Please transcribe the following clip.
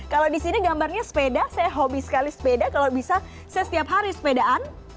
kalau di sini gambarnya sepeda saya hobi sekali sepeda kalau bisa saya setiap hari sepedaan